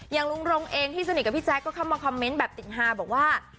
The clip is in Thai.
ลุงรงเองที่สนิทกับพี่แจ๊คก็เข้ามาคอมเมนต์แบบติดฮาบอกว่า